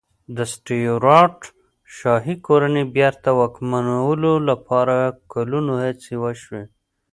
د سټیوراټ شاهي کورنۍ بېرته واکمنولو لپاره کلونه هڅې وشوې.